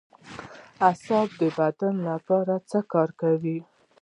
اعصاب د بدن لپاره څه کار کوي